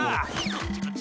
こっちこっち！